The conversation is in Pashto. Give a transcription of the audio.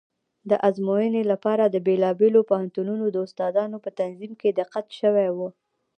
د ازموینې لپاره د بېلابېلو پوهنتونونو د استادانو په تنظیم کې دقت شوی و.